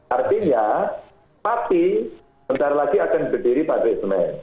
artinya pati nanti lagi akan berdiri pada semen